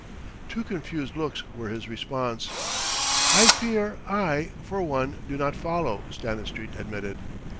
Two confused looks were his response. "I fear I, for one, do not follow," Stanistreet admitted.